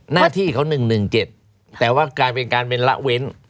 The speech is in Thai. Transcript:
หน้าที่เขาหนึ่งหนึ่งเจ็ดแต่ว่าการเป็นการเป็นละเว้น